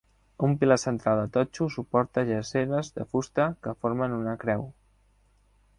Un pilar central de totxo suporta jàsseres de fusta que formen una creu.